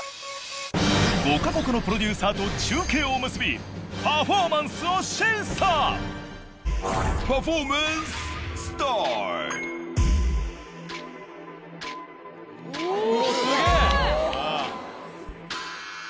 ５か国のプロデューサーと中継を結びパフォーマンスを審査パフォーマンスお！